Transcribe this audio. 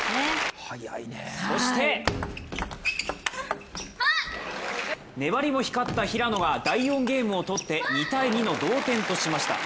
そして粘りも光った平野が第４ゲームをとって２−２の同点としました。